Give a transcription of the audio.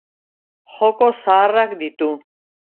Joko zaharrak ditu.